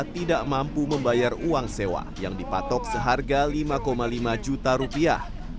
tidak mampu membayar uang sewa yang dipatok seharga lima lima juta rupiah